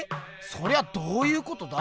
そりゃどういうことだ？